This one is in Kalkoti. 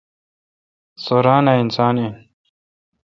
سو ران اؘ اسان این۔